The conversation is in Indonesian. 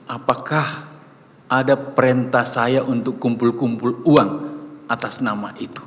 apakah ada perintah saya untuk kumpul kumpul uang atas nama itu